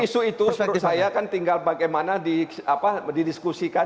ya isu isu itu menurut saya tinggal bagaimana didiskusikan